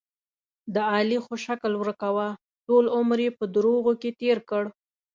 د علي خو شکل ورکوه، ټول عمر یې په دروغو کې تېر کړ.